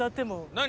何？